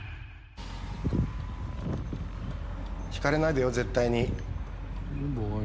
ひかれないでよ、絶対に。